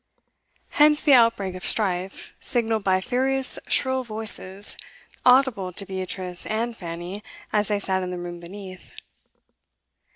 Hence the outbreak of strife, signalled by furious shrill voices, audible to Beatrice and Fanny as they sat in the room beneath.